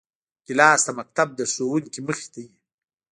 ګیلاس د مکتب د ښوونکي مخې ته وي.